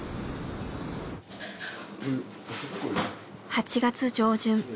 ８月上旬。